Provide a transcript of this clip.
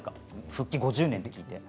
復帰５０年と聞いて。